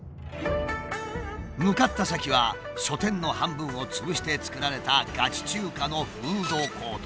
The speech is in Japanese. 向かった先は書店の半分を潰して造られたガチ中華のフードコート。